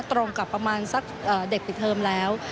ตรงกับประมาณสักเด็กปิดเทอมแล้ว